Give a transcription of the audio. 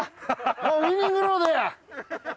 もうウィニングロードや！